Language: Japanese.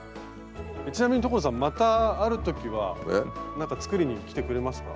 ちなみに所さんまたある時はなんか作りに来てくれますか？